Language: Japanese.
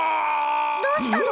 どうしたの？